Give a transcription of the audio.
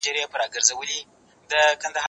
زه به اوږده موده کتابونه ليکلي وم؟